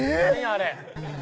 あれ。